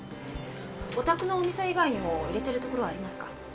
お宅のお店以外にも入れてるところはありますか？